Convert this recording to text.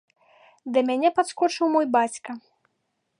Да мяне падскочыў мой бацька.